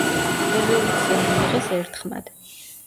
რეზოლუცია მიიღეს ერთხმად.